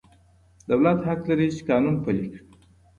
دولت حق لري چي قانون پلي کړي.